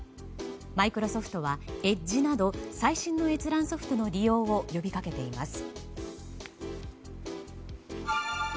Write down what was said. マイクロソフトはＥｄｇｅなど最新の閲覧ソフトの利用を呼びかけています。